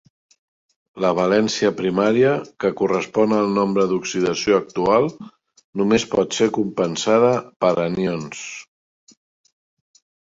La valència primària, que correspon al nombre d'oxidació actual, només pot ser compensada per anions.